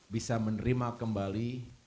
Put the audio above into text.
bisa menerima kembali